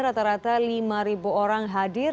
rata rata lima orang hadir